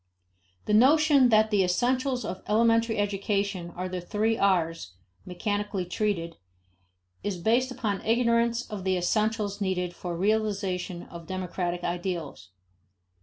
The notion that the "essentials" of elementary education are the three R's mechanically treated, is based upon ignorance of the essentials needed for realization of democratic ideals.